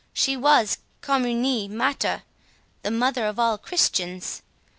She was 'communis mater'—the mother of all Christians.